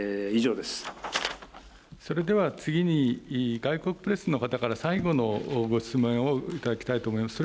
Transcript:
それでは次に、外国プレスの方から最後のご質問を頂きたいと思います。